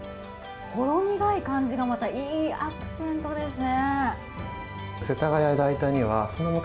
ほろ苦い感じがまた、いいアクセントですね。